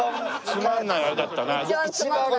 つまんないあれだったな。